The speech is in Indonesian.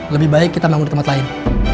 lebih baik kita bangun di tempat lain